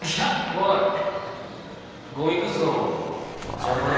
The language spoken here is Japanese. おいゴミクズども邪魔だ。